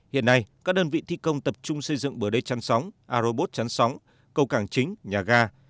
hiện nay các đơn vị thi công tập trung xây dựng bờ đê chăn sóng aerobot chăn sóng cầu càng chính nhà ga